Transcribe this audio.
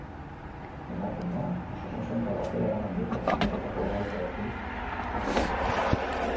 Emakumea osasun zentro batera eraman dute jasotako kolpeetatik artatzeko.